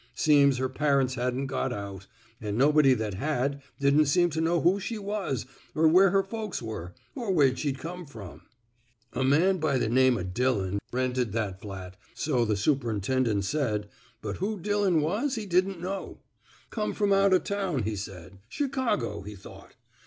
Seems her parents hadn't got out, and nobody that had didn't seem to know who she was, er who her folks were, or where she'd come from. 288 NOT FOE PUBLICATION A man by the name o' Dillon 'd rented that flat, so the super 'ntendent said, bnt who Dil lon was he didn't know. Come from out o* town, he said. Chicago, he thought.